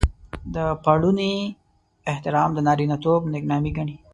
د پړوني احترام د نارينه توب نېکنامي ګڼي.